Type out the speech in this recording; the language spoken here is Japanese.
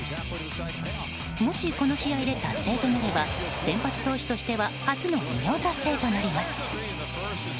もしこの試合で達成となれば先発投手としては初の偉業達成となります。